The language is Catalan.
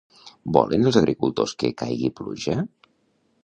Volen els agricultors que caigui pluja?